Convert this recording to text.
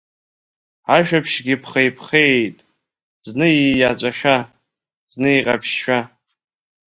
Ашәаԥшьгьы ԥхеиԥхеиит, зны ииаҵәашәа, зны иҟаԥшьшәа.